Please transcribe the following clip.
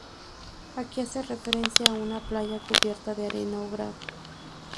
Aquí hace referencia a una playa cubierta de arena o grava.